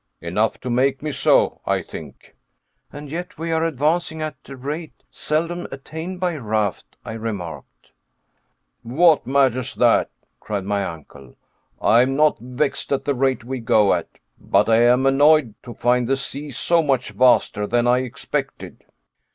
"Enough to make me so, I think." "And yet we are advancing at a rate seldom attained by a raft," I remarked. "What matters that?" cried my uncle. "I am not vexed at the rate we go at, but I am annoyed to find the sea so much vaster than I expected."